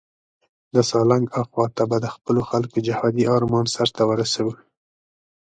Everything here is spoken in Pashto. د سالنګ اخواته به د خپلو خلکو جهادي آرمان سرته ورسوو.